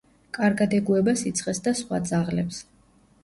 კარგად ეგუება სიცხეს და სხვა ძაღლებს.